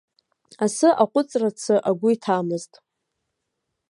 Асы аҟәыҵрацы агәы иҭамызт.